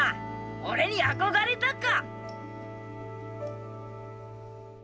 俺に憧れたか？